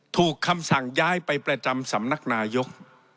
คำสั่งย้ายไปประจำสำนักนายก